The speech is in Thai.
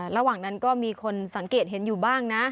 ระหว่างนั้นก็มีคนสังเกตเห็นอยู่บ้างนะ